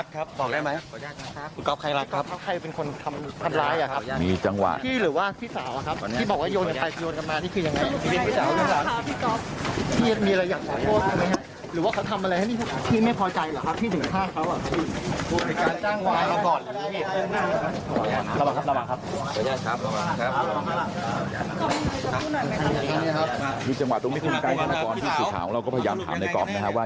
ที่จังหวะตรงที่ขึ้นใกล้ท่านจะทนกรมพี่สุดขอพิชาองเราก็พยายามถามในกรมว่า